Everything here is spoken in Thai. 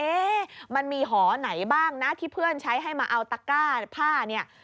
มันมีหอไหนบ้างนะที่เพื่อนใช้ให้มาเอาตะก้าผ้าเนี่ย